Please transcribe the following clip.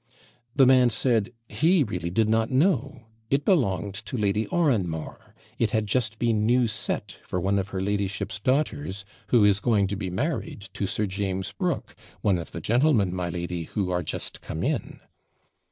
The man said, 'He really did not know; it belonged to Lady Oranmore; it had just been new set for one of her ladyship's daughters, who is going to be married to Sir James Brooke one of the gentlemen, my lady, who are just come in.'